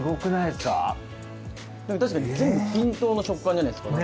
でも確かに全部均等な食感じゃないですか？